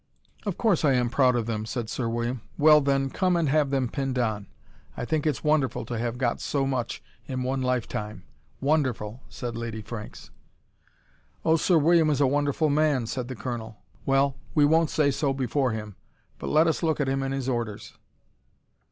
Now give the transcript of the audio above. "Of course I am proud of them!" said Sir William. "Well then, come and have them pinned on. I think it's wonderful to have got so much in one life time wonderful," said Lady Franks. "Oh, Sir William is a wonderful man," said the Colonel. "Well we won't say so before him. But let us look at him in his orders."